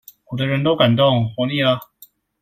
我的人都敢動，活膩了？